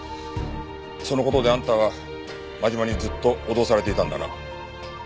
その事であんたは真島にずっと脅されていたんだな。